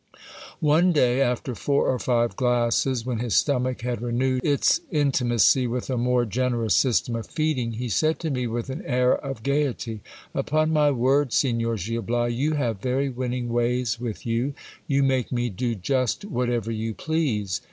One day, after four or five glasses, when his stomach had renewed its inti macy with a more generous system of feeding, he said to me with an air of gaiety : Upon my word, Signor Gil Bias, you have very winning wavs with you ; you make me do just whatever you please.